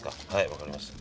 分かりました。